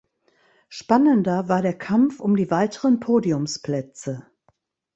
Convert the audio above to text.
Spannender war der Kampf um die weiteren Podiumsplätze.